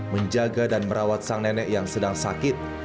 menjaga dan merawat sang nenek yang sedang sakit